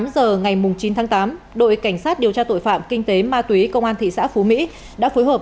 một mươi tám h ngày chín tháng tám đội cảnh sát điều tra tội phạm kinh tế ma túy công an thị xã phú mỹ đã phối hợp